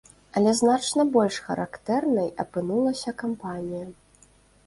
Але значна больш характэрнай апынулася кампанія.